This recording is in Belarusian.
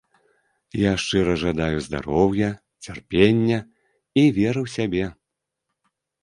Я шчыра жадаю здароўя, цярпення і веры ў сябе.